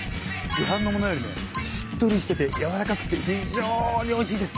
市販の物よりねしっとりしてて軟らかくて非常においしいです。